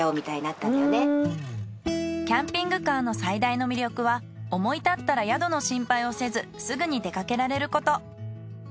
キャンピングカーの最大の魅力は思い立ったら宿の心配をせずすぐに出かけられること。